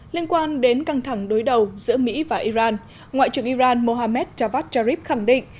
liên quan đến căng thẳng đối đầu giữa mỹ và iran ngoại trưởng iran mohammad javad jarib khẳng định